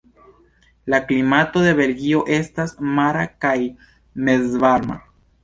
La klimato de Belgio estas mara kaj mezvarma.